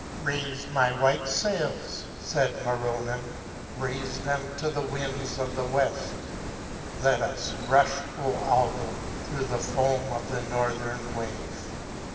Raife my white fails," faid Ma ronnan, " raife them to the winds of the weft. Let us rufli, O Aldo ! through the foam of the nor thern wave.